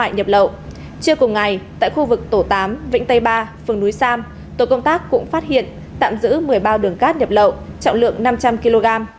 trưa cùng ngày tại khu vực tổ tám vĩnh tây ba phường núi sam tổ công tác cũng phát hiện tạm giữ một mươi bao đường cát nhập lậu trọng lượng năm trăm linh kg